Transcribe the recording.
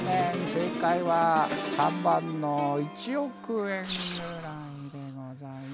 正解は３番の１億円ぐらいでございます。